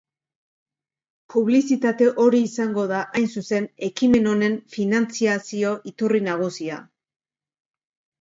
Publizitate hori izango da, hain zuzen, ekimen honen finantziazio-iturri nagusia.